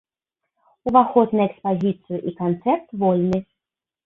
Уваход на экспазіцыю і канцэрт вольны.